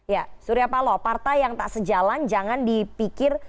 ya surya paloh partai yang tak sejalan jangan dipikir